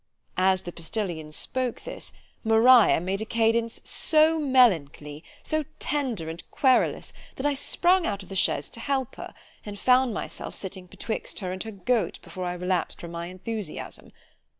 As the postillion spoke this, MARIA made a cadence so melancholy, so tender and querulous, that I sprung out of the chaise to help her, and found myself sitting betwixt her and her goat before I relapsed from my enthusiasm.